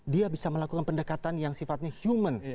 dia bisa melakukan pendekatan yang sifatnya human